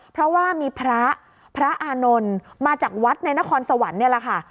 เพราะว่ามีพระพระอานนท์มาจากวัดในนครสวรรค์นี่แหละค่ะ